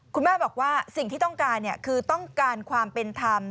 คุณแม่บอกว่าสิ่งที่ต้องการคือต้องการความเป็นธรรม